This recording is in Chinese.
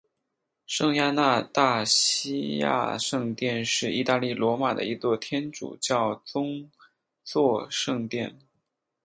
圣亚纳大西亚圣殿是意大利罗马的一座天主教宗座圣殿。